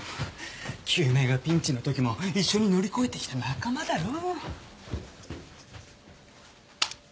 救命がピンチのときも一緒に乗り越えてきた仲間だろ。